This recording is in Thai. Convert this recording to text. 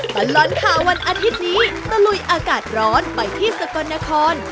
ปันร้อนค่ะวันอาทิตย์นี้ตะลุยอากาศร้อนไปที่สกรณคล